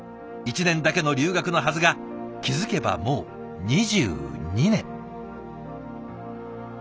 １年だけの留学のはずが気付けばもう２２年。